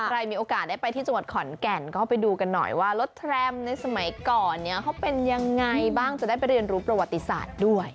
มีโอกาสได้ไปที่จังหวัดขอนแก่นก็ไปดูกันหน่อยว่ารถแทรมในสมัยก่อนเนี่ยเขาเป็นยังไงบ้างจะได้ไปเรียนรู้ประวัติศาสตร์ด้วย